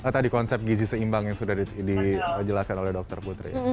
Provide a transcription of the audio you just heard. tadi konsep gizi seimbang yang sudah dijelaskan oleh dokter putri